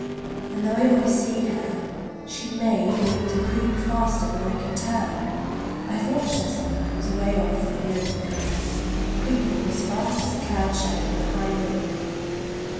And though I always see her she may be able to creep faster than I can turn! I have watched her sometimes away off in the open country, creeping as fast as a cloud shadow in a high wind.